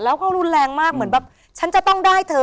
แล้วก็รุนแรงมากเหมือนแบบฉันจะต้องได้เธอ